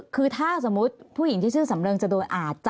คือถ้าสมมุติผู้หญิงที่ชื่อสำเริงจะโดนอาจจะ